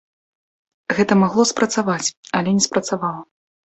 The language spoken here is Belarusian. Гэта магло спрацаваць, але не спрацавала.